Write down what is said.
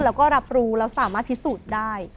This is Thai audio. แล้วก็รับรู้แล้วสามารถพิสูจน์ได้